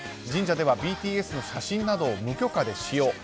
神社ではＢＴＳの写真などを無許可で使用。